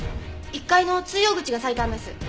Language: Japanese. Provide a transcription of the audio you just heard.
１階の通用口が最短です。